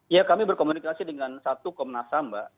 ya kami berkomunikasi dengan satu komnasam mbak